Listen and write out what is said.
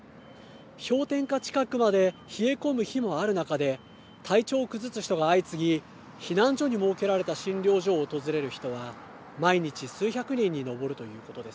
氷点下近くまで冷え込む日もある中で体調を崩す人が相次ぎ避難所に設けられた診療所を訪れる人は毎日数百人に上るということです。